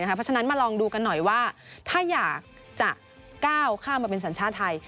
เพราะฉะนั้นมาลองดูกันหน่อยว่าถ้าอยากจะก้าวข้ามมาเป็นสัญชาติไทย